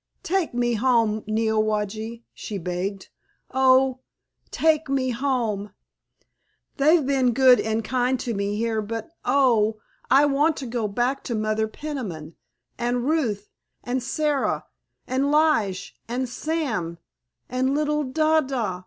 "Take me home, Neowage," she begged, "oh, take me home! They've been good and kind to me here, but oh, I want to go back to Mother Peniman, and Ruth and Sara and Lige and Sam and little Da da!